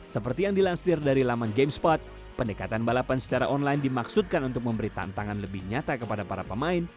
seperti yang dilansir dari laman gamespot pendekatan balapan secara online dimaksudkan untuk memberi tantangan lebih nyata kepada para pemain